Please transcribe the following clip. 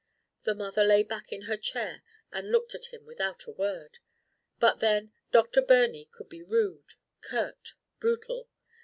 The mother lay back in her chair and looked at him without a word. But then, Doctor Birney could be rude, curt, brutal.